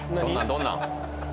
どんなん？